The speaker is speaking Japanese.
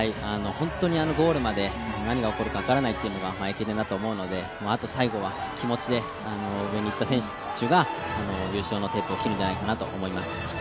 ゴールまで何が起こるか分からないというのが駅伝だと思うので、あと最後は気持ちで上にいった選手が優勝のテープを切るんじゃないかと思います。